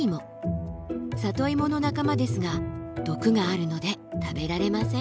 里芋の仲間ですが毒があるので食べられません。